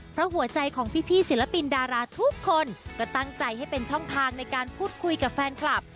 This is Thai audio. เพราะหัวใจของพี่ศิลปินดาราทุกคนก็ตั้งใจให้เป็นช่องทางในการพูดคุยกับแฟนคลับ